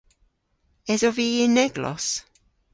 Esov vy y'n eglos?